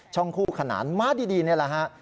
ช่องกู้ขนาดมาดีนี่แหละค่ะ